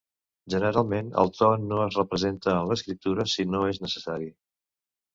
Generalment el to no es representa en l'escriptura si no és necessari.